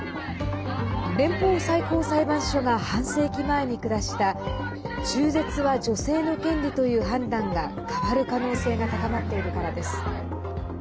連邦最高裁判所が半世紀前に下した中絶は女性の権利という判断が変わる可能性が高まっているからです。